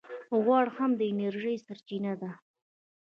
غوړ هم د انرژۍ سرچینه ده